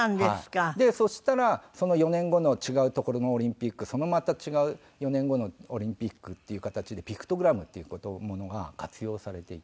そしたらその４年後の違う所のオリンピックそのまた違う４年後のオリンピックっていう形でピクトグラムっていうものが活用されていって。